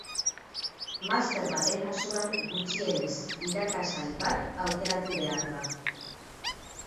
Master baten kasuan gutxienez irakasgai bat aukeratu behar da.